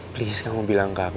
please kamu bilang ke aku